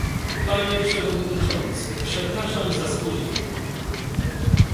Panie przewodniczący, przepraszam za spóźnienie